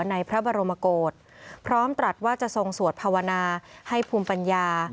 ในพระบรมกฏพร้อมตรัสว่าจะทรงสวดภาวนาให้ภูมิปัญญา